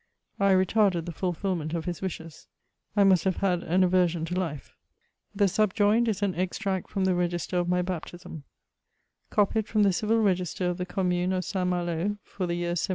I retarded the fulfilment of his wishes: I must have had an aversion to life. The subjoined is an extract from the register of my bap tism :—" Copied from the civil register of the Commune of St. Malo, for the year 1768.